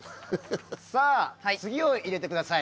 さあ次を入れてください。